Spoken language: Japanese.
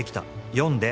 読んで」